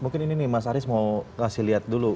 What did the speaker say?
mungkin ini nih mas aris mau kasih lihat dulu